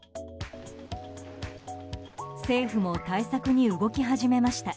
政府も対策に動き始めました。